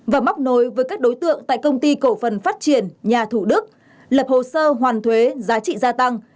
và móc nối với các đối tượng tại công ty cổ phần phát triển nhà thủ đức lập hồ sơ hoàn thuế giá trị gia tăng